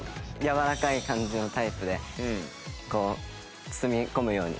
やわらかい感じのタイプで包み込むようにいきました。